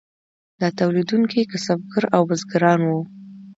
دا تولیدونکي کسبګر او بزګران وو.